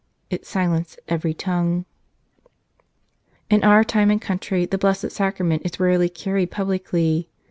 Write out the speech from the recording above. It silenced every tongue. In our time and country the Blessed Sacrament is rarely carried publicly.